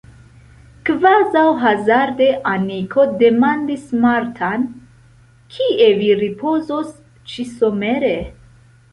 Kvazaŭ hazarde Aniko demandis Martan: Kie vi ripozos ĉi-somere?